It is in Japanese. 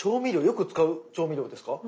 よく使う調味料ですか？